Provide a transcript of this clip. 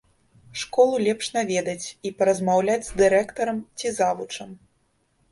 Школу лепш наведаць і паразмаўляць з дырэктарам ці завучам.